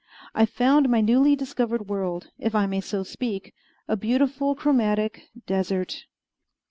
I found my newly discovered world, if I may so speak, a beautiful chromatic desert.